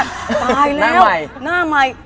ตายแล้ว้วหน้าใหม่หน้าใหม่